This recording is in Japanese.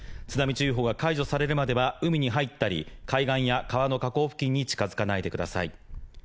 津波注意報が解除されるまでは、海に入ったり、海岸や川の河口付近に近づかないでください。